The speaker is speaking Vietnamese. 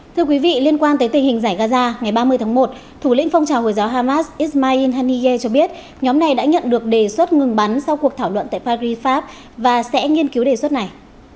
thưa quý vị liên quan tới tình hình giải gaza ngày ba mươi tháng một thủ lĩnh phong trào hồi giáo hamas ismail haniye cho biết nhóm này đã nhận được đề xuất ngừng bắn sau cuộc thảo luận tại paris pháp và sẽ nghiên cứu đề xuất này